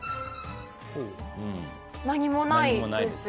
何もないです。